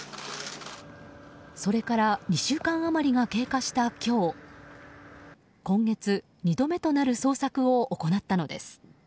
それから２週間余りが経過した今日今月２度目となる捜索を行ったのです。